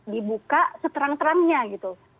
dibuka seterang terangnya gitu